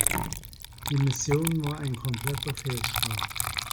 Die Mission war ein kompletter Fehlschlag.